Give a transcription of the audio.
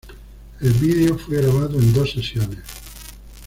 El vídeo fue grabado en dos sesiones.